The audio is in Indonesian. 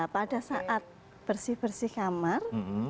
pada saat bersih bersih kamar